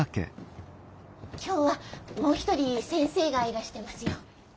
今日はもう一人先生がいらしてますよ。